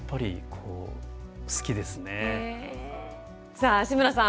さあ志村さん